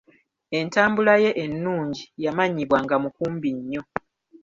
Entambula ye ennungi yamanyibwa nga mukumbi nnyo.